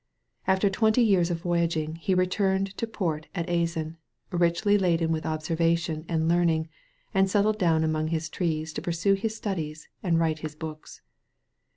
After twenty years of voyaging he re turned to port at Azan> richly laden with observa tion and learning, and settled down among his trees to pursue his studies and write his books.